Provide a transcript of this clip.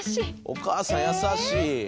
お母さん優しい。